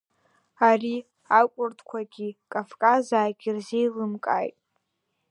Ари акәырдқәагьы Кавказаагьы ирзеилымкааит.